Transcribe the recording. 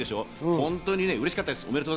本当にうれしかったです、おめでとう。